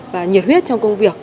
và nhiệt huyết trong công việc